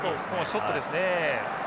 ショットですね。